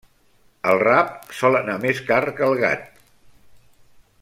El rap sol anar més car que el gat.